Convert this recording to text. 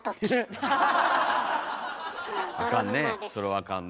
あかんね。